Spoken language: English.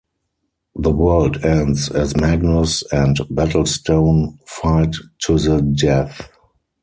The world ends as Magnus and Battlestone fight to the death.